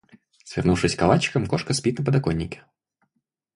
Свернувшись калачиком, кошка спит на подоконнике.